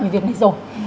về việc này rồi